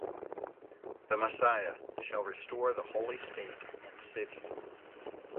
The Messiah shall restore the holy state and city.